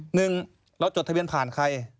หนึ่งเราจดทะเบียนผ่านใคร